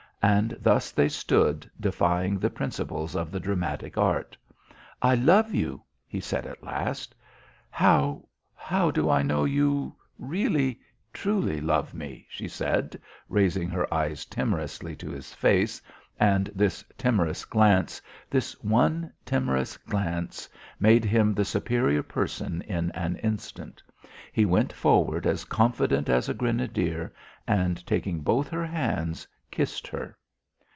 And thus they stood, defying the principles of the dramatic art. "I love you," he said at last. "How how do I know you really truly love me?" she said, raising her eyes timorously to his face and this timorous glance, this one timorous glance, made him the superior person in an instant. He went forward as confident as a grenadier, and, taking both her hands, kissed her.